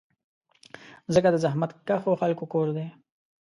مځکه د زحمتکښو خلکو کور ده.